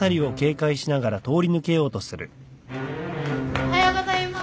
・おはようございます。